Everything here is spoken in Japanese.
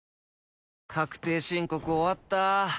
確定申告終わった。